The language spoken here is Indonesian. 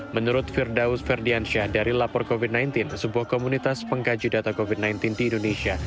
menurut firdaus ferdiansyah dari lapor covid sembilan belas sebuah komunitas pengkaji data covid sembilan belas di indonesia